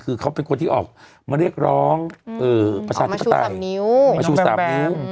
คือเขาเป็นคนที่ออกมาเรียกร้องประชาธิปไตยมาชู๓นิ้ว